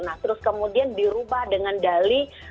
nah terus kemudian dirubah dengan dali